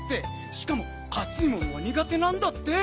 しかもあついものはにがてなんだって。